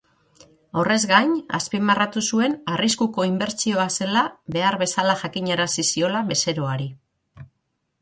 Horrez gain, azpimarratu zuen arriskuko inbertsioa zela behar bezala jakinarazi ziola bezeroari.